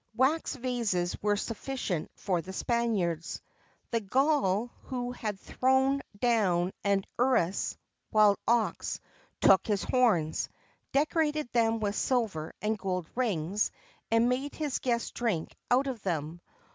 [XXVII 16] Wax vases were sufficient for the Spaniards.[XXVII 17] The Gaul who had thrown down an Urus (wild ox) took its horns, decorated them with silver and gold rings, and made his guests drink out of them.